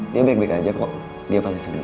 dia baik baik aja kok dia pasti segera